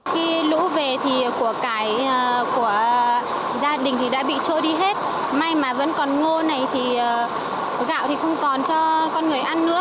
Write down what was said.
khi lũ về thì của cái của gia đình thì đã bị trôi đi hết may mà vẫn còn ngô này thì gạo thì không còn cho con người ăn nữa